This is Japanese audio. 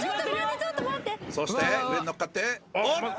そして上に乗っかっておっと！